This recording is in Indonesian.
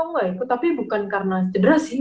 gue gak ikut tapi bukan karena cedera sih